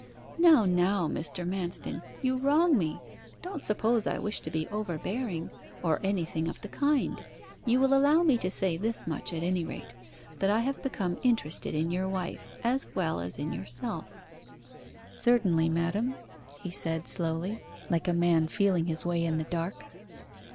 'Now, now, Mr. Manston, you wrong me; don't suppose I wish to be overbearing, or anything of the kind; and you will allow me to say this much, at any rate, that I have become interested in your wife, as well as in yourself.' 'Certainly, madam,' he said, slowly, like a man feeling his way in the dark.